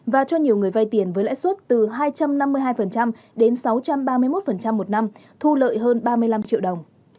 và cho nhiều người vay tiền với lãi suất từ hai trăm năm mươi hai đến sáu trăm ba mươi một một năm thu lợi hơn ba mươi năm triệu đồng